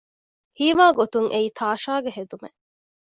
ހީވާގޮތުން އެއީ ތާޝާގެ ހެދުމެއް